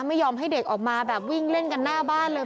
ไม่ยอมให้เด็กออกมาแบบวิ่งเล่นกันหน้าบ้านเลย